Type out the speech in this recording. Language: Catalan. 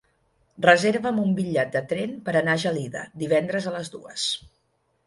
Reserva'm un bitllet de tren per anar a Gelida divendres a les dues.